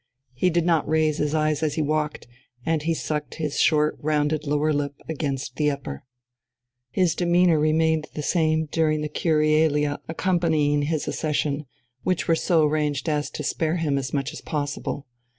He did not raise his eyes as he walked, and he sucked his short rounded lower lip against the upper.... His demeanour remained the same during the Curialia accompanying his accession, which were so arranged as to spare him as much as possible.